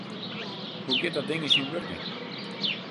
Hoe giet dat ding yn syn wurking?